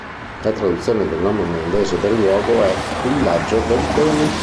La traduzione del nome irlandese del luogo è "Villaggio del Bene".